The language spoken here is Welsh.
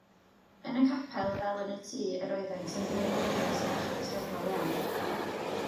Yn y capel fel yn y tŷ yr oeddynt yn ddirodres a chartrefol iawn.